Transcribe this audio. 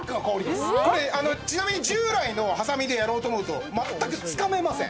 これ、ちなみに従来のはさみでやろうと思うと全くつかめません。